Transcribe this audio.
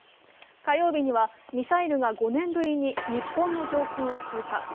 火曜日にはミサイルが５年ぶりに日本の上空を通過。